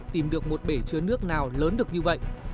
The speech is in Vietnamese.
tìm được một bể chứa nước nào lớn được như vậy